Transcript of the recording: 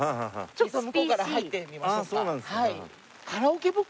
ちょっと向こうから入ってみましょうか。